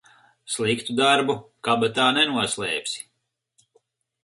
Sliktu darbu kabatā nenoslēpsi.